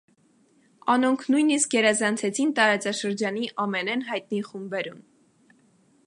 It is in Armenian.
Անոնք նոյյնիսկ գերազանցեցին տարածաշրջանի ամենէն յայտնի խումբերուն։